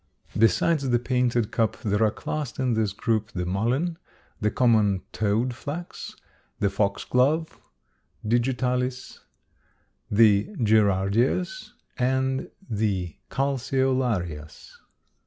Besides the painted cup there are classed in this group the mullen, the common toad flax, the foxglove (Digitalis), the gerardias, and the calceolarias.